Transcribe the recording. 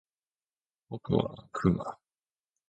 僕はクマ